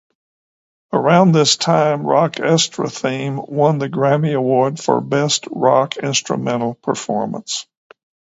Around this time, "Rockestra Theme" won the Grammy Award for Best Rock Instrumental Performance.